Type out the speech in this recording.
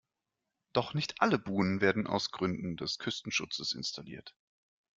Doch nicht alle Buhnen werden aus Gründen des Küstenschutzes installiert.